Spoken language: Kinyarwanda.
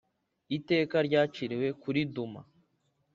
Iteka ryaciriwe kuri Duma.